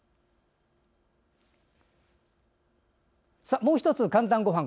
もう１つ「かんたんごはん」。